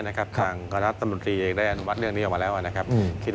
อันนี้เราน่าจะเชิญท่านเหล่านั้น